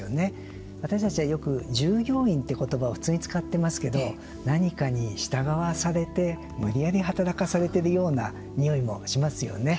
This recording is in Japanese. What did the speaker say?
私たちは、よく従業員という言葉を普通に使っていますけど何かに従わされて無理やり働かされてるようなにおいもしますよね。